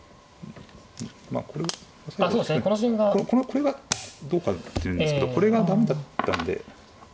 これがどうかっていうんですけどこれが駄目だったんで。